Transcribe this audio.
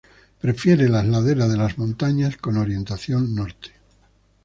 Prefiere las laderas de las montañas con orientación norte.